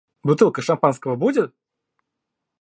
Бутылка шампанского будет?